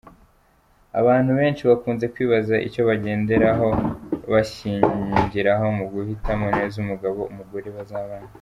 Abantu benshi bakunze kwibaza icyo bagenderaho-bashingiraho mu guhitamo neza umugabo-umugore bazabana.